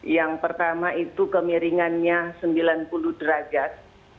yang pertama itu kemiringannya sembilan puluh derajat